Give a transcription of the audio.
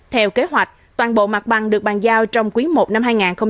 theo kế hoạch toàn bộ mặt bằng được bàn giao trong quý một năm hai nghìn hai mươi bốn